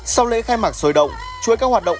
sau lễ khai mạc sồi động chuỗi các hoạt động